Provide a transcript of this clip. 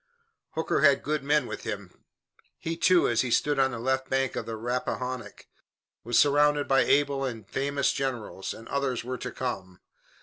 Hooker had good men with him. He, too, as he stood on the left bank of the Rappahannock, was surrounded by able and famous generals, and others were to come.